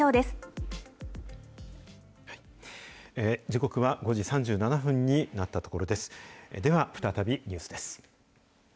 時刻は５時３７分になったところです。